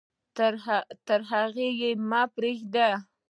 تر هغې مه پرېږده.